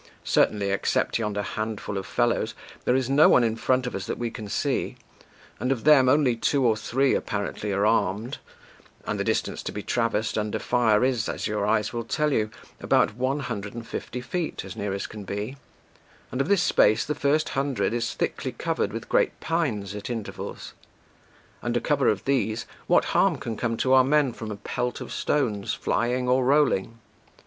Certainly, except yonder handful of fellows, there is no one in front of us that we can see; and of them, only two or three apparently are armed, and the distance to be traversed under fire is, as your eyes will tell you, about one hundred and fifty feet as near as can be, and of this space the first hundred is thickly covered with great pines at intervals; under cover of these, what harm can come to our men from a pelt of stones, flying 6 or rolling?